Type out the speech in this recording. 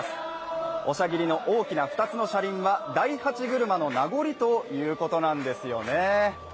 おしゃぎりの大きな２つの車輪は大八車の名残ということなんですね。